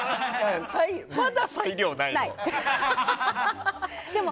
まだ裁量ないの？